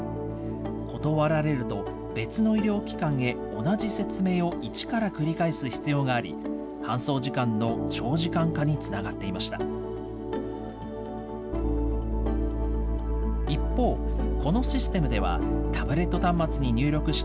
断られると別の医療機関へ同じ説明を一から繰り返す必要があり、搬送時間の長時間化につながっていました。